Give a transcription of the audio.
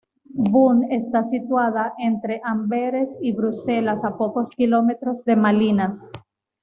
Boom está situada entre Amberes y Bruselas, a pocos kilómetros de Malinas.